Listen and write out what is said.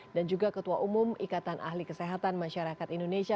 dan juga ketua umum ikatan ahli kesehatan masyarakat indonesia